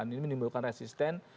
ini menimbulkan resisten